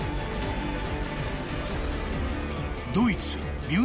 ［ドイツ］